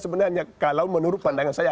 sebenarnya kalau menurut pandangan saya